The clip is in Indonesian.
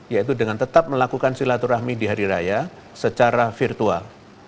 yaitu dengan tetap melakukan silaturahmi di hari raya secara virtual